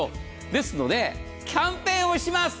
ですので、キャンペーンをします。